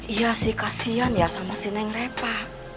iya sih kasihan ya sama si neng refah